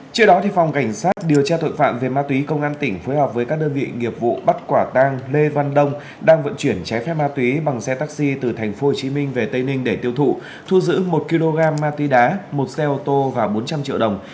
trước đó phòng cảnh sát điều tra tội phạm về ma túy công an tỉnh phối hợp với các đơn vị nghiệp vụ bắt quả tang lê văn đông đang vận chuyển trái phép ma túy bằng xe taxi từ tp hcm về tây ninh để tiêu thụ thu giữ một kg ma túy đá một xe ô tô và bốn trăm linh triệu đồng